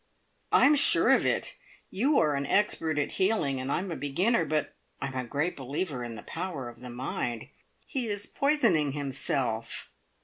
"I'm sure of it! You are an expert at healing, and I'm a beginner, but I'm a great believer in the power of the mind. He is poisoning himself."